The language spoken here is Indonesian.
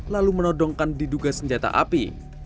lalu menodongkan diduga senjata api